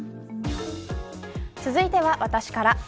続いては私から。